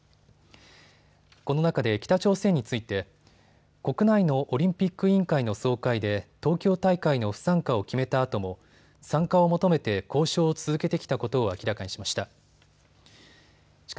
この中で北朝鮮について国内のオリンピック委員会の総会で東京大会の不参加を決めたあとも参加を求めて交渉を続けてきたことを明らかにしました。